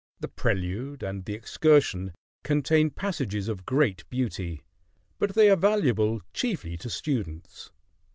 "The Prelude" and "The Excursion" contain passages of great beauty; but they are valuable chiefly to students.